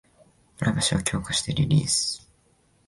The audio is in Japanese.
プライバシーをさらに強化してリリース